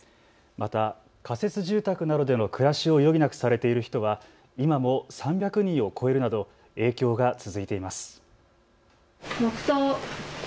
また仮設住宅などでの暮らしを余儀なくされている人は今も３００人を超えるなど影響が続いています。